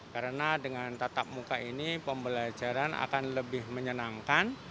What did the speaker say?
karena dengan tatap muka ini pembelajaran akan lebih menyenangkan